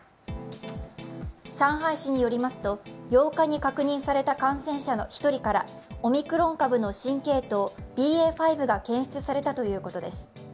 上海市によりますと、８日に確認された感染者の１人からオミクロン株の新系統ＢＡ．５が検出されたということです。